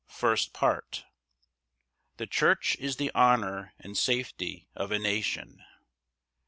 First Part. The church is the honour and safety of a nation.